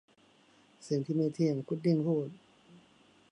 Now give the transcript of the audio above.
'สิ่งที่ไม่เที่ยง ! ' พุดดิ้งพูด